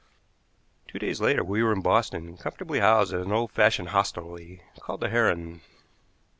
Two days later we were in Boston, comfortably housed at an old fashioned hostelry called the Heron.